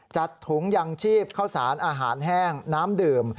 จัดถุงยังชีพเข้าสารอาหารแห้งน้ำดื่ม